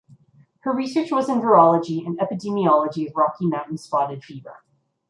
Her research was in virology and epidemiology of Rocky Mountain Spotted Fever.